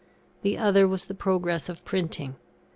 The other was the progress of printing.